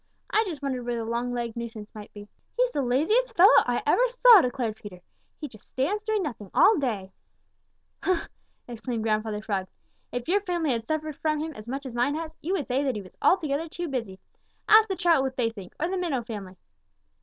"I just wondered where the long legged nuisance might be." "He's the laziest fellow I ever saw," declared Peter. "He just stands doing nothing all day." "Huh!" exclaimed Grandfather Frog. "If your family had suffered from him as much as mine has, you would say that he was altogether too busy. Ask the Trout what they think, or the Minnow family."